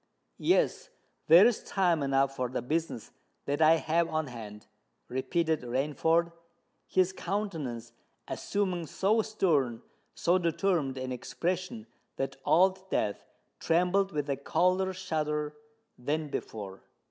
"Yes—there is time enough for the business that I have on hand!" repeated Rainford, his countenance assuming so stern—so determined an expression, that Old Death trembled with a colder shudder than before.